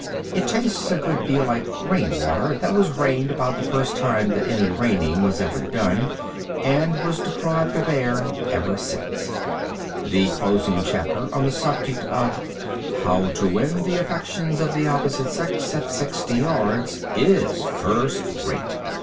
It tastes a good deal like rain water that was rained about the first time that any raining was ever done, and was deprived of air ever since. [Illustration: HOW TO WIN AFFECTION.] The closing chapter on the subject of "How to win the affections of the opposite sex at sixty yards," is first rate.